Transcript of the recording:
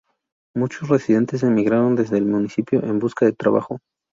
Muchos residentes emigraron desde el municipio en busca de trabajo.